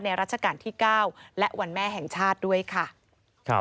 รัชกาลที่๙และวันแม่แห่งชาติด้วยค่ะ